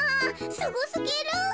すごすぎる。